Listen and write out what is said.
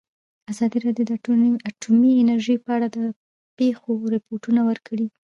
ازادي راډیو د اټومي انرژي په اړه د پېښو رپوټونه ورکړي.